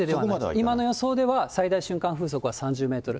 今の予想では、最大瞬間風速は３０メートル。